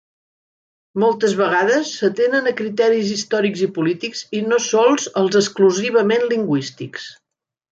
Moltes vegades, s'atenen a criteris històrics i polítics i no sols als exclusivament lingüístics.